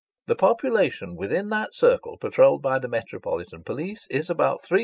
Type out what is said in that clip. The population within that circle, patrolled by the metropolitan police, is about 3,463,771"!